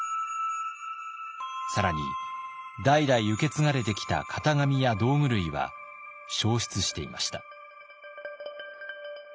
更に代々受け継がれてきた型紙や道具類は焼失していました。